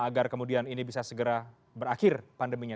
agar kemudian ini bisa segera berakhir pandeminya